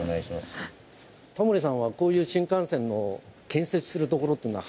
タモリさんはこういう新幹線の建設するところは。